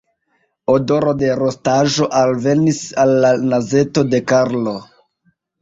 Odoro de rostaĵo alvenis al la nazeto de Karlo.